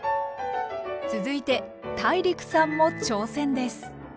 続いてＴＡＩＲＩＫさんも挑戦です。